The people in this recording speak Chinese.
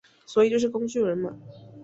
所以就是个工具人嘛